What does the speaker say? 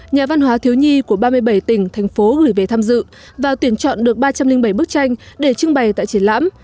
nhà văn hóa thiếu nhi của ba mươi bảy tỉnh thành phố gửi về tham dự và tuyển chọn được ba trăm linh bảy bức tranh để trưng bày tại triển lãm